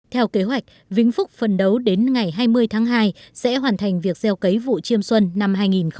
theo kế hoạch vĩnh phúc phấn đấu đến ngày hai mươi tháng hai sẽ hoàn thành việc gieo cấy vụ chiêm xuân năm hai nghìn một mươi chín